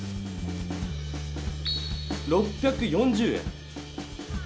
６４０円。